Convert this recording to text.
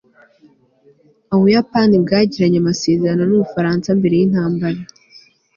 ubuyapani bwagiranye amasezerano n'ubufaransa mbere yintambara